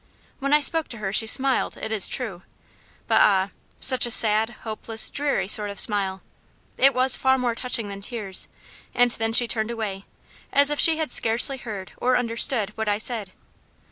When I spoke to her she smiled, it is true; but ah! such a sad, hopeless, dreary sort of smile it was far more touching than tears, and then she turned away, as if she had scarcely heard or understood what I said.